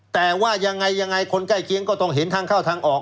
แต่ว่ายังไงยังไงคนใกล้เคียงก็ต้องเห็นทางเข้าทางออก